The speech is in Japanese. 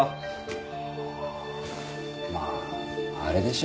まああれでしょ？